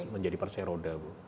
menjadi perse roda bu